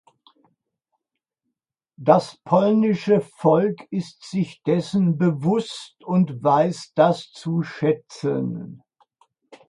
Das polnische Volk ist sich dessen bewusst und weiß das zu schätzen.